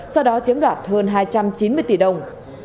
sau đó chiếm đoạt hơn hai trăm chín mươi tỷ đồng